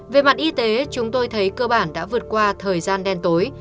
về mặt y tế chúng tôi thấy cơ bản đã vượt qua thời gian đen tối